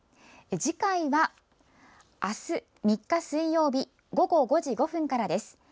次回は明日３日水曜日午後５時５分からです。